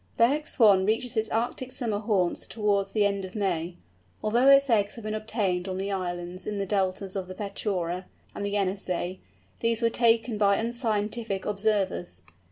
Bewick's Swan reaches its Arctic summer haunts towards the end of May. Although its eggs have been obtained on the islands in the deltas of the Petchora and the Yenesay, these were taken by unscientific observers.